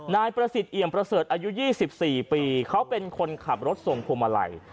นายประสิทธิเอี่ยมประเสริฐอายุ๒๔ปีเขาเป็นคนขับรถส่งพวงมาลัย